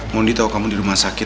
mondi tau kamu dirumah sakit